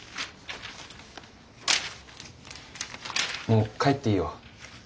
もう帰っていいよ。